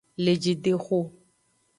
Lejidexo.